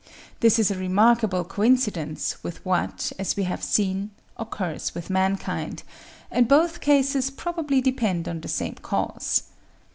This is a remarkable coincidence with what, as we have seen, occurs with mankind, and both cases probably depend on the same cause.